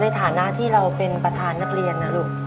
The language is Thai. ในฐานะที่เราเป็นประธานนักเรียนนะลูก